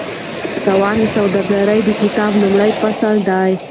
تاوان د سوداګرۍ د کتاب لومړی فصل دی.